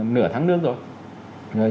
nửa tháng nước rồi